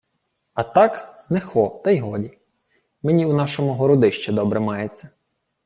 — А так, не хо, та й годі. Мені й у нашому Городищі добре мається.